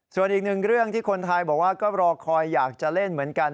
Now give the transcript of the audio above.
ส่วนอีกหนึ่งเรื่องที่คนไทยบอกว่าก็รอคอยอยากจะเล่นเหมือนกัน